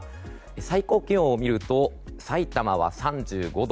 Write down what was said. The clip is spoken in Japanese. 最高気温を見るとさいたまは３５度。